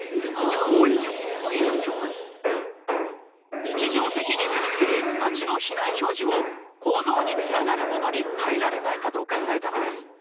日常的に目にする街の避難表示を行動につながるものに変えられないかと考えたのです。